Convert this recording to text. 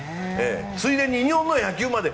ついでに日本の野球まで。